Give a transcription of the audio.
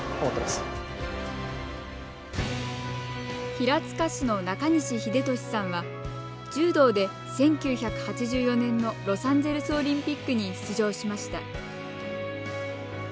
平塚市の中西英敏さんは柔道で１９８４年のロサンゼルスオリンピックに出場しました。